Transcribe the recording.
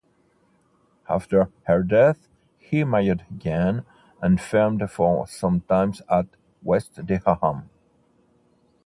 After her death he married again, and farmed for some time at West Dereham.